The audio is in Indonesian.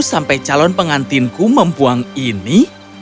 sampai calon pengantinku membuang ini